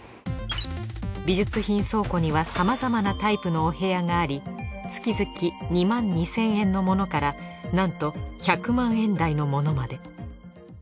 美術品倉庫にはさまざまなタイプのお部屋があり月々２万２，２００円のものからなんと１００万円台のものまで。